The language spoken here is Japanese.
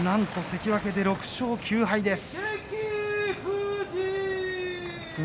関脇、６勝９敗です。